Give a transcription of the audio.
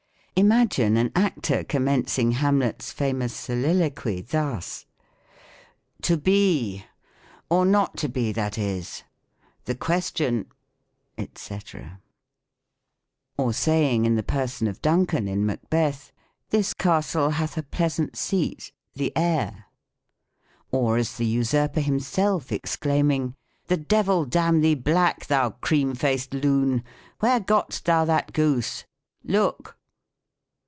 Imagine an actor commencing Hamlet's famous so liloquy, thus : "To be ; or not to be that is. The question," dzc. 138 THE COMIC ENGLISH GRAMMAR. Or saying, in the person of Duncan, in Macbeth " This castle hath a pleasant seat, the air." Or as the usurper himself, exclaiming, " The devil damn thee black, thou cream faced loon ! Where got'st thou that goose ? Look